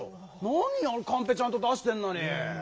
なにカンペちゃんと出してんのに。